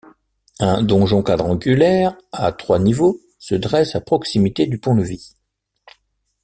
Un donjon quadrangulaire à trois niveaux se dresse a proximité du pont-levis.